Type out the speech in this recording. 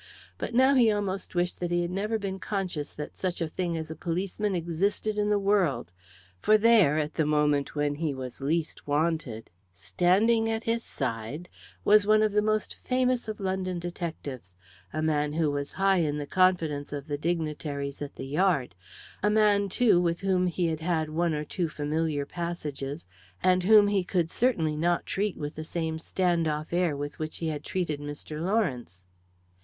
But now he almost wished that he had never been conscious that such a thing as a policeman existed in the world; for there at the moment when he was least wanted standing at his side, was one of the most famous of London detectives; a man who was high in the confidence of the dignitaries at the "Yard"; a man, too, with whom he had had one or two familiar passages, and whom he could certainly not treat with the same stand off air with which he had treated Mr. Lawrence.